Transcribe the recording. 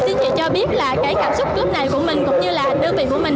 xin chị cho biết là cái cảm xúc lúc này của mình cũng như là đơn vị của mình